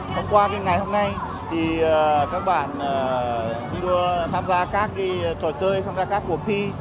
thông qua ngày hôm nay thì các bạn tham gia các trò chơi tham gia các cuộc thi